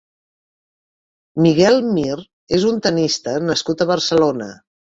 Miguel Mir és un tennista nascut a Barcelona.